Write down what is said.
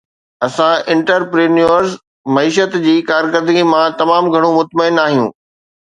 اسان انٽرپرينيوئرز معيشت جي ڪارڪردگي مان تمام گهڻو مطمئن آهيون